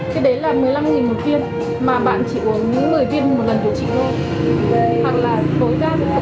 cái đấy là một mươi năm một viên mà bạn chỉ uống những một mươi viên một lần điều trị thôi